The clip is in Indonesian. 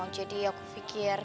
jadi aku pikir